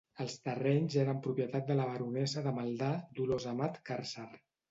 Els terrenys eren propietat de la baronessa de Maldà, Dolors d'Amat Càrcer.